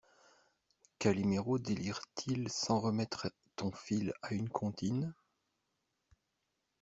Caliméro délire-t-il sans remettre ton fil à une comptine?